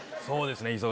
そうですね。